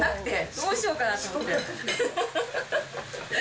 どうしようかなと思って。